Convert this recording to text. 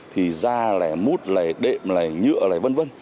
thì da lẻ mút lẻ đệm lẻ nhựa lẻ vân vân